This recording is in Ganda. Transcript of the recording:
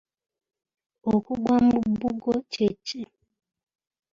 Okugwa mu bbugo kye ki?